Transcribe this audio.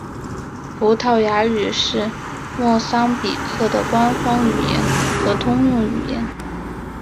葡萄牙语是莫桑比克的官方语言和通用语言。